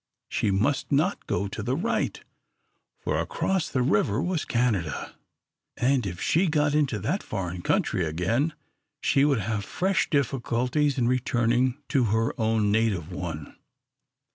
She must not go to the right, for across the river was Canada, and if she got into that foreign country again, she would have fresh difficulties in returning to her own native one.